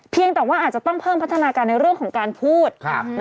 แต่ว่าอาจจะต้องเพิ่มพัฒนาการในเรื่องของการพูด